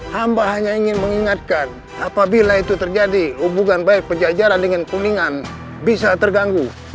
hamba hanya ingin mengingatkan apabila itu terjadi hubungan baik pejajaran dengan kuningan bisa terganggu